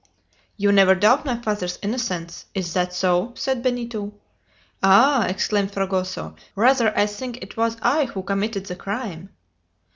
"You never doubt my father's innocence? Is that so?" said Benito. "Ah!" exclaimed Fragoso. "Rather I think it was I who committed the crime."